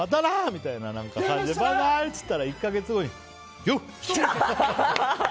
みたいな感じでバイバイ！って言ったら１か月後によっ！って。